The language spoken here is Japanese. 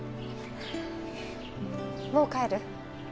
もう帰る？